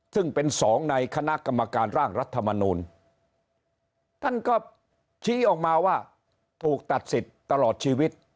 ซึ่งเป็นสองในคณะกรรมการร่างรัฐมนูลท่านก็ชี้ออกมาว่าถูกตัดสิทธิ์ตลอดชีวิต